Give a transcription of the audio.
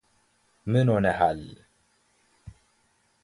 ምን ሆነሃል::